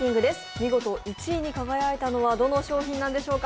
見事、１位に輝いたのはどの商品なのでしょうか。